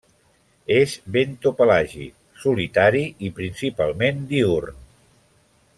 És bentopelàgic, solitari i principalment diürn.